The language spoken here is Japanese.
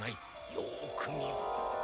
よく見よ。